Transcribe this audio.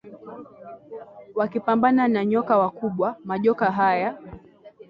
wakipambana na nyoka wakubwa majoka haya